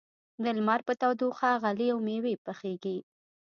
د لمر په تودوخه غلې او مېوې پخېږي.